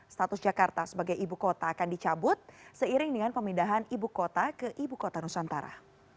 status jakarta sebagai ibu kota akan dicabut seiring dengan pemindahan ibu kota ke ibu kota nusantara